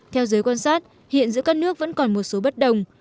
theo giới quan sát hiện giữa các nước vẫn còn một số bất đồng